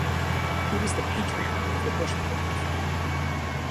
He was the patriarch of the Bush political family.